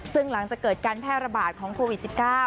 ซึ่งหลังจากเกิดการแพร่ระบาดของโควิด๑๙